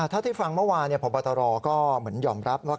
เท่าที่ฟังเมื่อวานพบตรก็เหมือนยอมรับว่า